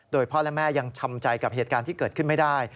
โดยพ่อและแม่ยังช้ำใจกับเหตุการณ์ที่เกิดขึ้นไม่ได้